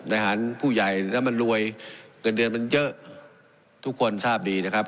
ทหารผู้ใหญ่แล้วมันรวยเงินเดือนมันเยอะทุกคนทราบดีนะครับ